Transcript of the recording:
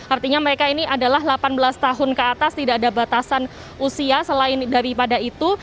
artinya mereka ini adalah delapan belas tahun ke atas tidak ada batasan usia selain daripada itu